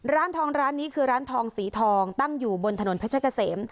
ร้านทองร้านนี้คือร้านทองสีทองตั้งอยู่บนถนนเพชรเกษม